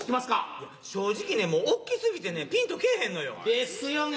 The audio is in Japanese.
いや正直ねおっきすぎてねピンとけぇへんのよ。ですよね。